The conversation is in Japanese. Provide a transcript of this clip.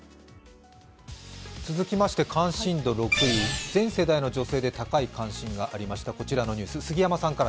続きまして関心度６位、全世代の女性で高い関心がありました。